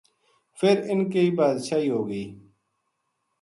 فِر اِنھ کی بادشاہی ہو گئی